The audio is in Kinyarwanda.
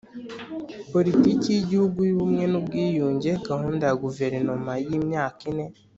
Politiki y Igihugu y Ubumwe n Ubwiyunge Gahunda ya Guverinoma y Imyaka ine